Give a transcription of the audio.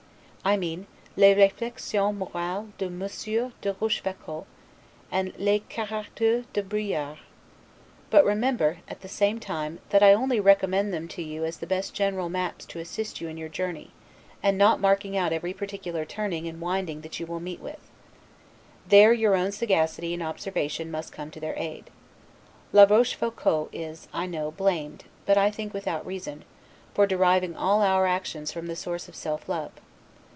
I mean, 'Les Reflections Morales de Monsieur de la Rochefoucault, and Les Caracteres de la Bruyere': but remember, at the same time, that I only recommend them to you as the best general maps to assist you in your journey, and not as marking out every particular turning and winding that you will meet with. There your own sagacity and observation must come to their aid. La Rochefoucault, is, I know, blamed, but I think without reason, for deriving all our actions from the source of self love.